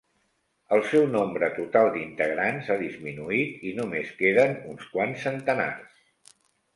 El seu nombre total d'integrants ha disminuït i només queden uns quants centenars.